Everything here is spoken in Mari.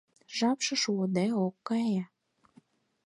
Жапше шуыде ок кае.